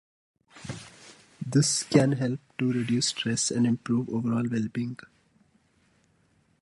This can help to reduce stress and improve overall well-being.